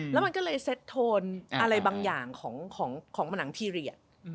แล้วมันก็เลยเซ็ตโทนอะไรบางอย่างของผนังพีเรียส